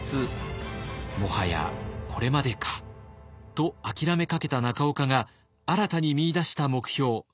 「もはやこれまでか」と諦めかけた中岡が新たに見いだした目標。